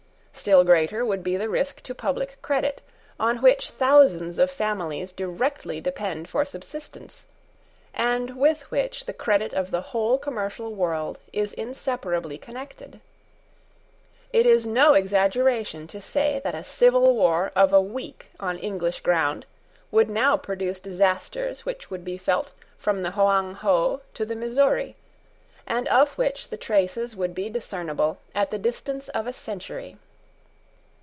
Still greater would be the risk to public credit, on which thousands of families directly depend for subsistence, and with which the credit of the whole commercial world is inseparably connected. It is no exaggeration to say that a civil war of a week on English ground would now produce disasters which would be felt from the Hoang ho to the Missouri, and of which the traces would be discernible at the distance of a century.